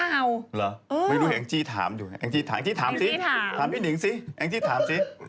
รึเปล่าไม่รู้เห็นแองจี้ถามอยู่แองจี้ถามสิถามพี่นิ่งสิแองจี้ถามสิ